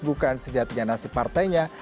bukan sejati nasib partainya